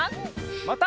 また。